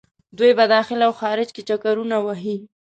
دوۍ په داخل او خارج کې چکرونه وهي.